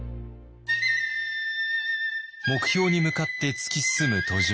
目標に向かって突き進む途上